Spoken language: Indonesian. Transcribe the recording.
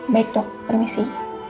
baik dok permisi